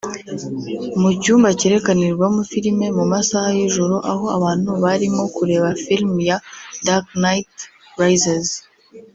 Mu cyumba cyerekanirwamo filime mu masaha y’ijoro aho abantu bari mo kureba film ya Dark Knight Rises